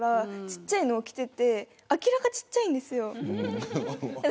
ちっちゃいのを着ていて明らか、ちっちゃいんですよ。